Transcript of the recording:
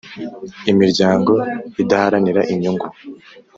Imiryango idaharanira inyungu